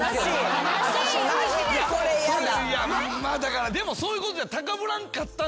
いやまあだからでもそういうこと。